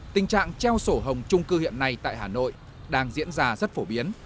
tình trạng treo sổ hồng trung cư hiện nay tại hà nội đang diễn ra rất phổ biến